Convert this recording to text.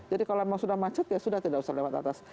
jadi kalau mau sudah macet ya sudah tidak usah lewat atas